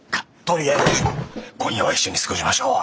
とりあえず今夜は一緒に過ごしましょう。